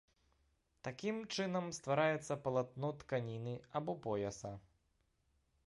Такім чынам ствараецца палатно тканіны або пояса.